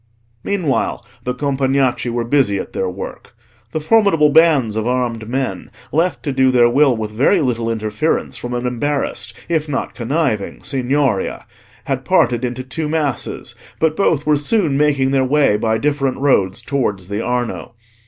Meanwhile the Compagnacci were busy at their work. The formidable bands of armed men, left to do their will with very little interference from an embarrassed if not conniving Signoria, had parted into two masses, but both were soon making their way by different roads towards the Arno.